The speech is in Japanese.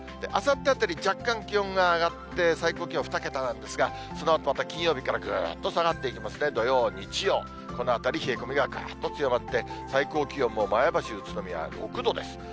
あさってあたり、若干気温が上がって、最高気温２桁なんですが、そのあとまた金曜日からぐーっと下がっていきますね、土曜、日曜、このあたり、冷え込みがぐーっと強まって最高気温も前橋、宇都宮６度です。